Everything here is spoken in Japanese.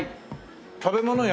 食べ物屋？